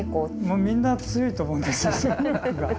もうみんな強いと思うんですよ。